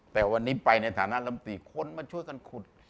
แต่วันนี้ไปในฐานะลำตีคนมาช่วยกันขุด